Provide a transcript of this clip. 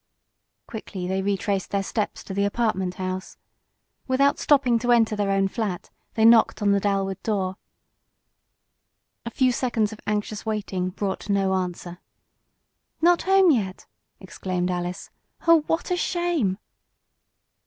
Quickly they retraced their steps to the apartment house. Without stopping to enter their own flat they knocked on the Dalwood door. A few seconds of anxious waiting brought no answer. "Not home yet!" exclaimed Alice. "Oh, what a shame."